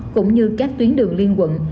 cũng như các tuyến đường liên quận